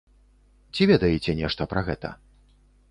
Ці ведаеце нешта пра гэта?